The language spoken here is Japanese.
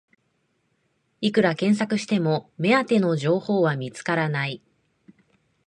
いくら検索しても目当ての情報は見つからない